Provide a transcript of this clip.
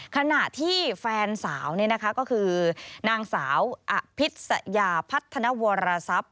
ขณะที่แฟนสาวนี่นะคะก็คือนางสาวอภิษยาพัฒนวรทรัพย์